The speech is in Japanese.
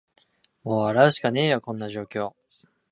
もう笑うしかねーよ、こんな状況